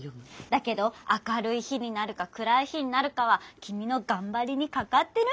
「だけど明るい日になるか暗い日になるかは君のがんばりにかかってるんだよ」